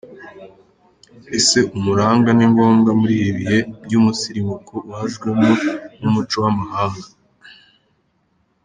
Ese Umuranga ni ngombwa muri ibi bihe by’umusirimuko wajwemo n’umuco w’amahanga?.